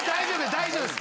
大丈夫です！